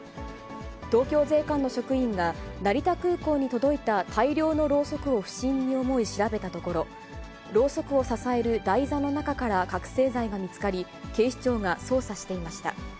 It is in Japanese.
東京税関の職員が成田空港に届いた大量のろうそくを不審に思い調べたところ、ろうそくを支える台座の中から覚醒剤が見つかり、警視庁が捜査していました。